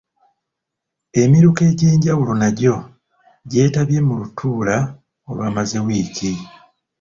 Emiruka egy'enjawulo nagyo gyetabye mu lutuula olwamaze wiiki.